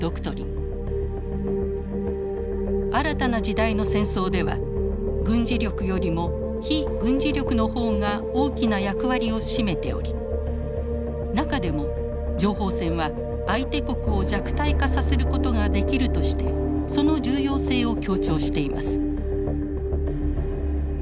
新たな時代の戦争では軍事力よりも非軍事力の方が大きな役割を占めており中でも「情報戦は相手国を弱体化させることができる」としてその重要性を強調しています。